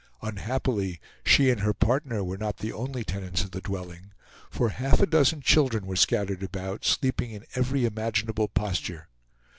Unhappily, she and her partner were not the only tenants of the dwelling, for half a dozen children were scattered about, sleeping in every imaginable posture.